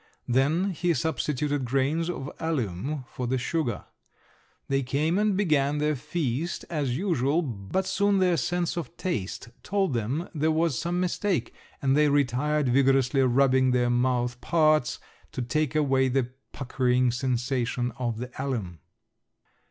Then he substituted grains of alum for the sugar. They came and began their feast as usual, but soon their sense of taste told them there was some mistake and they retired vigorously rubbing their mouth parts to take away the puckering sensation of the alum.